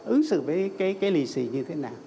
ứng xử với cái lì xì như thế nào